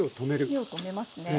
火を止めますね。